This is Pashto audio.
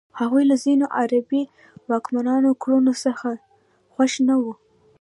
هغوی له ځینو عربي واکمنانو کړنو څخه خوښ نه وو.